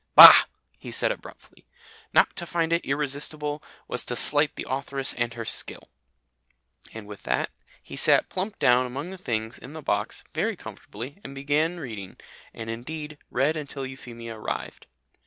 "Bah!" he said abruptly, "not to find it irresistible was to slight the authoress and her skill." And with that he sat plump down among the things in the box very comfortably and began reading, and, indeed, read until Euphemia arrived.